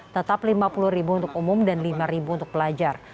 tetap rp lima puluh untuk umum dan rp lima untuk pelajar